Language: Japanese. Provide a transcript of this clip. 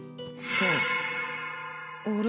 あれ？